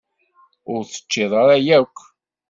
Ur t-teččiḍ ara, yak?